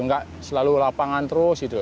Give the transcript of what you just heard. nggak selalu lapangan terus gitu